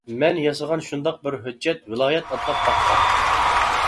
مەن ياسىغان شۇنداق بىر ھۆججەت ۋىلايەت ئاتلاپ باققان.